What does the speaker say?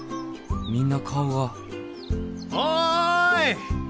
みんな顔がおい！